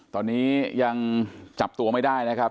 ตอนนี้ยังจับตัวไม่ได้นะครับ